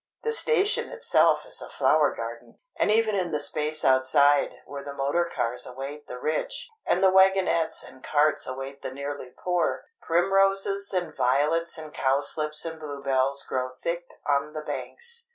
The station itself is a flower garden. And even in the space outside, where the motor cars await the rich, and the wagonettes and carts await the nearly poor, primroses and violets and cowslips and bluebells grow thick on the banks.